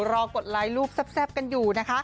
กดไลค์รูปแซ่บกันอยู่นะคะ